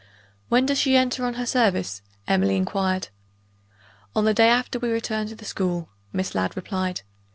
"When does she enter on her service?" Emily inquired. "On the day after we return to the school," Miss Ladd replied.